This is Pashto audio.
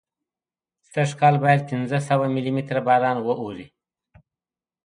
سږکال باید پینځه سوه ملي متره باران واوري.